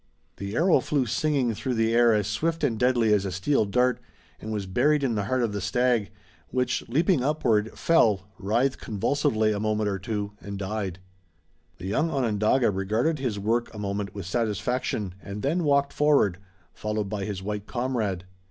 The arrow flew singing through the air as swift and deadly as a steel dart and was buried in the heart of the stag, which, leaping upward, fell, writhed convulsively a moment or two, and died. The young Onondaga regarded his work a moment with satisfaction, and then walked forward, followed by his white comrade.